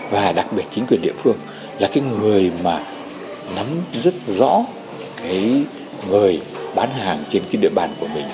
và đặc biệt chính quyền địa phương là cái người mà nắm rất rõ cái người bán hàng trên cái địa bàn của mình